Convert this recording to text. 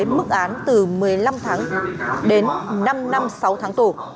mức án từ một mươi năm tháng đến năm năm sáu tháng tù